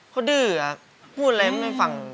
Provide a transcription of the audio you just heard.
เขาดื้ออ่ะพูดอะไรมันไม่ฟัง